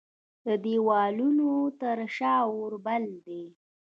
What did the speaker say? د دیوالونو تر شا اوربل دی